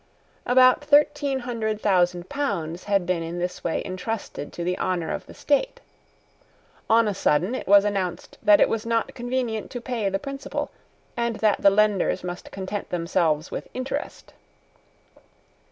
About thirteen hundred thousand pounds had been in this way intrusted to the honour of the state. On a sudden it was announced that it was not convenient to pay the principal, and that the lenders must content themselves with interest.